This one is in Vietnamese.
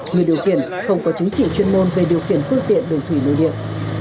người điều khiển không có chứng chỉ chuyên môn về điều khiển phương tiện đường thủy nội địa